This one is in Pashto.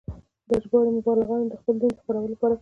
دا ژباړې مبلغانو د خپل دین د خپرولو لپاره کړې وې.